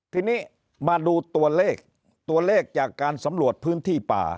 ทีนี้มาดูตัวเลขตัวเลขจากการสำรวจพื้นที่ป่า